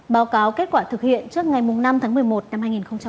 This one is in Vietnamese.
báo cáo kết quả thực hiện trước ngày năm tháng một mươi một năm hai nghìn hai mươi ba